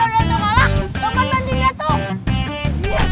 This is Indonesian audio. jangan cepat dimenang